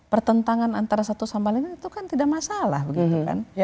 pertentangan antara satu sama lain itu kan tidak masalah begitu kan